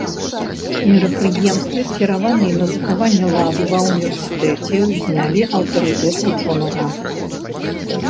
Мерапрыемствы, скіраваныя на захаванне ладу ва ўніверсітэце, узнялі аўтарытэт вучонага.